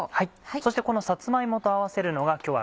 そしてこのさつま芋と合わせるのが今日は。